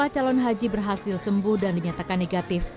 lima calon haji berhasil sembuh dan dinyatakan negatif